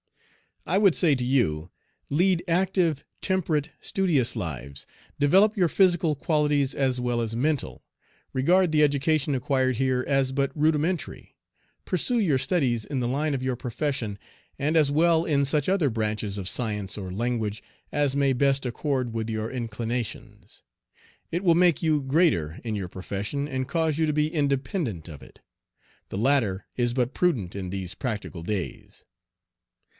I would say to you, lead active, temperate, studious lives, develop your physical qualities as well as mental. Regard the education acquired here as but rudimentary; pursue your studies in the line of your profession and as well in such other branches of science or language as may best accord with your inclinations. It will make you greater in your profession and cause you to be independent of it. The latter is but prudent in these practical days.